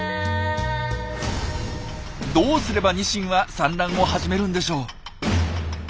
どうすればニシンは産卵を始めるんでしょう？